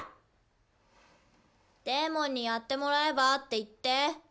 「デーモンにやってもらえば？」って言って。